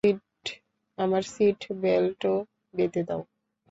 আমার সিট বেল্টও বেঁধে দাও।